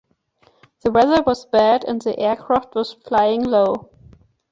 The weather was bad and the aircraft was flying low.